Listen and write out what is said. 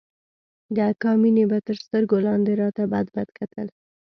د اکا مينې به تر سترگو لاندې راته بدبد کتل.